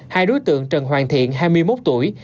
hai đối tượng trần hoàng thiện hai mươi một tuổi